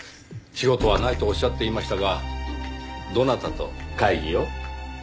仕事はないとおっしゃっていましたがどなたと会議を？